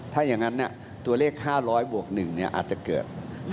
ถ้าอย่างนั้นเนี่ยตัวเลข๕๐๐บวก๑เนี่ยอาจจะเกิด